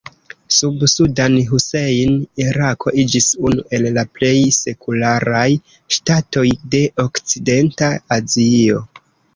Sub Saddam Hussein Irako iĝis unu el la plej sekularaj ŝtatoj de okcidenta Azio.